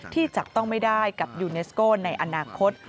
ที่จับต้องไม่ได้กับยูเนสโก้ในอนาคต